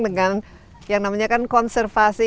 dengan yang namanya kan konservasi